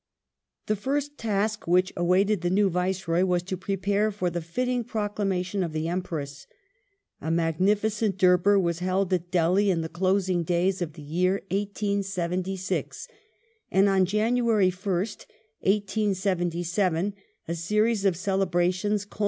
The first task which awaited the new Viceroy, was to prepare for the fitting proclamation of the Empress. Af magnificent Durbar was held at Delhi in the closing days of the year 1876, and on Januaiy 1st, 1877, a series of celebrations cul